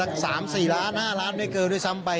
ถ้าสามสี่ล้านห้าล้านไม่เกินด้วยซ้ำไป